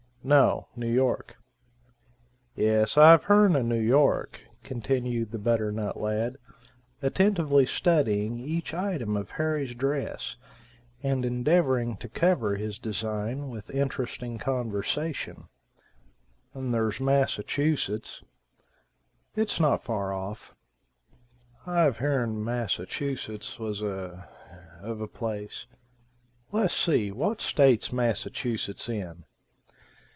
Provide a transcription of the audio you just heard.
"No, New York." "Yas, I've heern o' New York," continued the butternut lad, attentively studying each item of Harry's dress, and endeavoring to cover his design with interesting conversation. "'N there's Massachusetts.", "It's not far off." "I've heern Massachusetts was a of a place. Les, see, what state's Massachusetts in?"